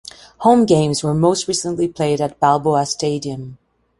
Home games were most recently played at Balboa Stadium.